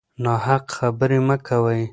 ناحق خبرې مه کوئ.